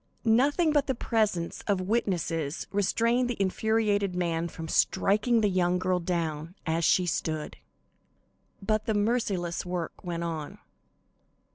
Nothing but the presence of witnesses restrained the infuriated man from striking the young girl down, as she stood. But the merciless work went on.